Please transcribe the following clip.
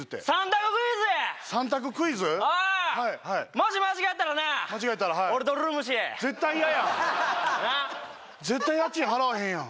もし間違ったらな俺とルームシェアや絶対嫌や絶対家賃払わへんやん